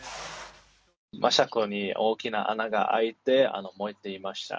車庫に大きな穴が開いて、燃えていました。